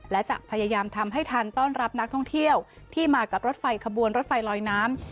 และจะพยายามทำให้ทันต้อนรับนักท่องเที่ยวที่มากับรถไฟขบวนรถไฟลอยน้ำ